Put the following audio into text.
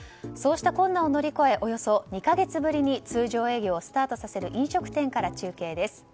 そうした困難を乗り越えおよそ２か月ぶりに通常営業をスタートさせる飲食店から中継です。